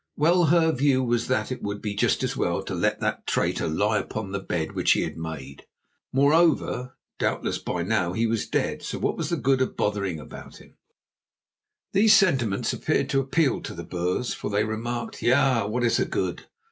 Well, her view was that it would be just as well to let that traitor lie upon the bed which he had made. Moreover, doubtless by now he was dead, so what was the good of bothering about him? These sentiments appeared to appeal to the Boers, for they remarked: "Ja, what is the good?"